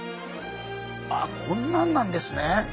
ああこんなんなんですね。